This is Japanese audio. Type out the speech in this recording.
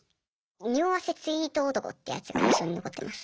匂わせツイート男ってやつが印象に残ってます。